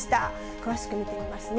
詳しく見てみますね。